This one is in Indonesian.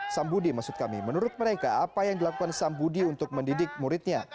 sam budi maksud kami menurut mereka apa yang dilakukan sam budi untuk mendidik muridnya